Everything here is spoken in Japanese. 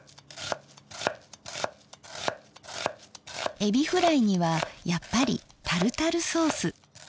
えびフライにはやっぱりタルタルソース。